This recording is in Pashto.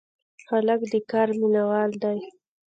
هلک د کار مینه وال دی.